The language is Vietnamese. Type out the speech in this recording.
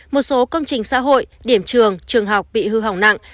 một số công trình xã hội điểm trường trường học bị hư hỏng nặng